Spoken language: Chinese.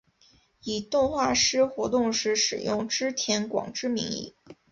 以动画师活动时使用织田广之名义。